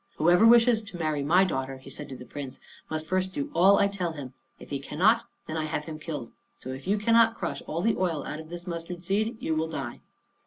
"Whoever wishes to marry my daughter," he said to the Prince, "must first do all I tell him. If he cannot, then I have him killed. So if you cannot crush all the oil out of this mustard seed you will die."